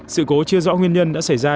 sự cố chưa rõ nguyên nhân đã xảy ra